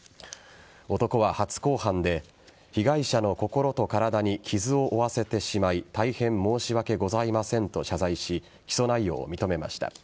男は、初公判で被害者の心と体に傷を負わせてしまい大変申し訳ございませんと謝罪し起訴内容を認めました。